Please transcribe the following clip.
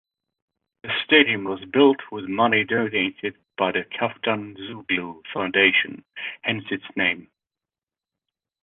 The stadium was built with money donated by the Kaftanzoglou Foundation, hence its name.